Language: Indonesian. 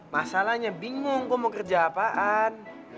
masalahnya bingung gue mau kerja apaan